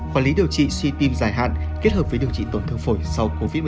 quản lý điều trị suy tim dài hạn kết hợp với điều trị tổn thương phổi sau covid một mươi chín